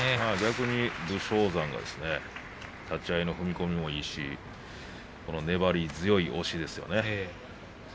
武将山は立ち合いの踏み込みもいいし、粘りもいいし強い押しですよね。